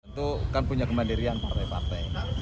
itu kan punya kemandirian partai partai